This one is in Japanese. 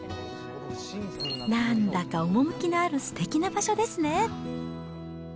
なんだか趣のあるすてきな場所ですね。